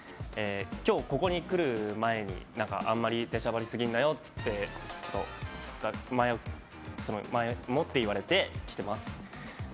今日、ここに来る前にあんまりでしゃばりすぎるなよって前もって言われて来てます。